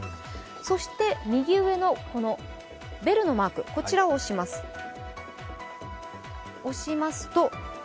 そして右上のベルのマークを押します。